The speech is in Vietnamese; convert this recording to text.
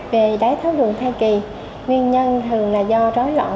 về đáy tháo đường thai kỳ nguyên nhân thường là do rối loạn